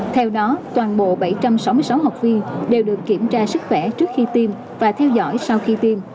theo đó toàn bộ bảy trăm sáu mươi sáu học viên đều được kiểm tra sức khỏe trước khi tiêm và theo dõi sau khi tiêm